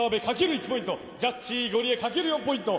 １ポイントジャッジゴリエかける４ポイント。